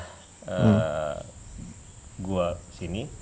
dan itu kelihatannya sudah hampir rusak